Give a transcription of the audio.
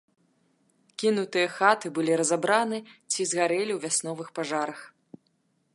Кінутыя хаты былі разабраны ці згарэлі ў вясновых пажарах.